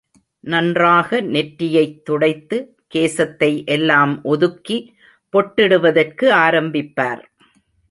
நன்றாக நெற்றியைத் துடைத்து கேசத்தை எல்லாம் ஒதுக்கி பொட்டிடுவதற்கு ஆரம்பிப்பார்.